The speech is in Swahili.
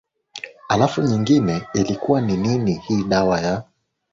alafu nyingine ilikuwa ni ni hii dawa ya